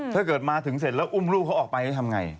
ถ้าเกิดมาถึงเสร็จแล้วอุ้มลูกเขาออกไปแล้วทำไง